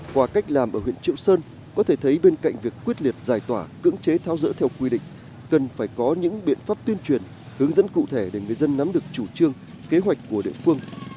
qua cách làm ở huyện triệu sơn có thể thấy bên cạnh việc quyết liệt giải tỏa cưỡng chế thao dỡ theo quy định cần phải có những biện pháp tuyên truyền hướng dẫn cụ thể để người dân nắm được chủ trương kế hoạch của địa phương